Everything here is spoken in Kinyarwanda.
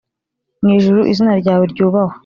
mu ijuru Izina ryawe ryubahwe